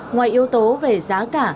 ngoài yếu tố về giá cả